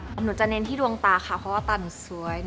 หนูจะเน้นที่ดวงตาค่ะเพราะว่าตาหนูสวย